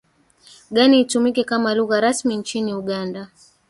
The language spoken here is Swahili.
gani itumike kama lugha rasmi nchini Uganda